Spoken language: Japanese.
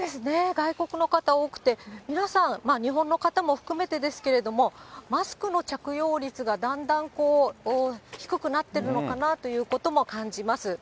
外国の方多くて、皆さん、日本の方も含めてですけれども、マスクの着用率がだんだんこう、低くなっているのかなということも感じます。